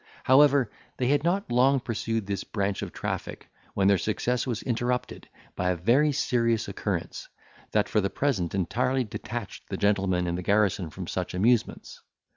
However, they had not long pursued this branch of traffic, when their success was interrupted by a very serious occurrence, that for the present entirely detached the gentlemen in the garrison from such amusements.